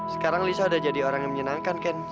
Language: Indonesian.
sekarang lisa udah jadi orang yang menyenangkan kan